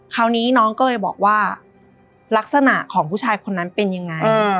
คราวนี้น้องก็เลยบอกว่าลักษณะของผู้ชายคนนั้นเป็นยังไง